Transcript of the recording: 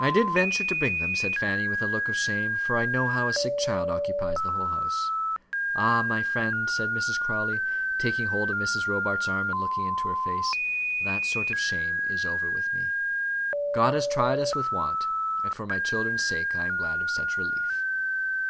"I did venture to bring them," said Fanny, with a look of shame, "for I know how a sick child occupies the whole house." "Ah! my friend," said Mrs. Crawley, taking hold of Mrs. Robarts' arm and looking into her face, "that sort of shame is over with me. God has tried us with want, and for my children's sake I am glad of such relief."